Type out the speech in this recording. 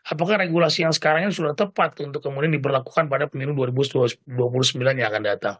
apakah regulasi yang sekarang ini sudah tepat untuk kemudian diberlakukan pada pemilu dua ribu dua puluh sembilan yang akan datang